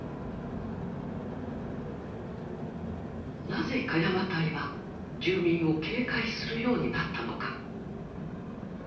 なぜ鹿山隊は住民を警戒するようになったのか？